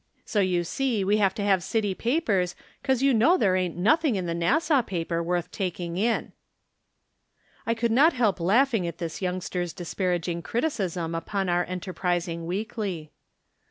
So you see we have to have city papers, 'cause you know there ain't nothing in the Nassau paper worth taldng in." I could not help laughing at this youngster's disparaging criticism upon our enterprising weekly.